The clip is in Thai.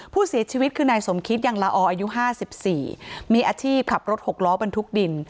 ผู้เสียชีวิตคือนายสมคิดยังละออายุ๕๔มีอาชีพขับรถหกล้อบรรทุกดิน